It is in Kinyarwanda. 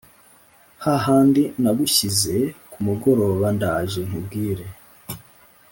hahandi nagushyize kumugoroba ndaje nkubwire”